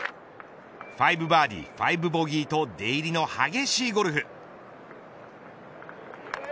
５バーディー５ボギーと出入りの激しいゴルフ。